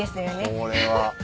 これは。